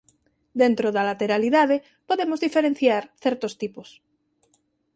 Dentro da lateralidade podemos diferenciar certos tipos.